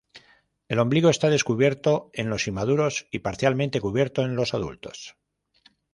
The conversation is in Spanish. El ombligo está descubierto en los inmaduros y parcialmente cubierto en los adultos.